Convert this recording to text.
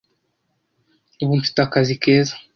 Ubu mfite akazi keza